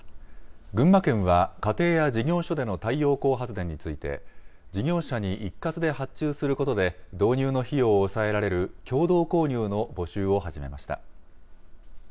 群馬県は、家庭や事業所での太陽光発電について、事業者に一括で発注することで導入の費用を抑えられる共同購入の募集を始めました。